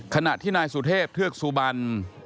ขณะที่นายสุเทพเทือกสุบัน